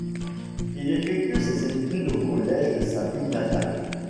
Il effectue ses études au collège de sa ville natale.